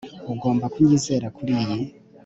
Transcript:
Ugomba kunyizera kuriyi